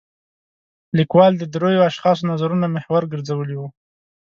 لیکوال د درېو اشخاصو نظرونه محور ګرځولی و.